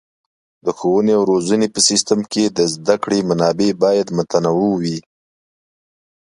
د ښوونې او روزنې په سیستم کې د زده کړې منابع باید متنوع وي.